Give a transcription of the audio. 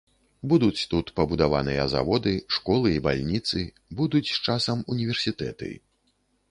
Будуць тут пабудаваныя заводы, школы і бальніцы, будуць з часам універсітэты.